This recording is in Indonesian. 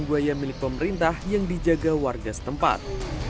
buaya milik pemerintah yang dijaga warga setempat